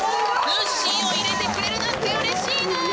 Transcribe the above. ぬっしーを入れてくれるなんてうれしいぬん！